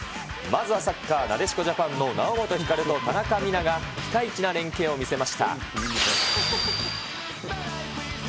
まずはサッカー・なでしこジャパンの猶本光と田中美南がピカイチな連係を見せました。